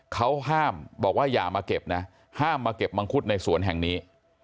เขาห้ามบอกว่าอย่ามาเก็บนะห้ามมาเก็บมังคุดในสวนแห่งนี้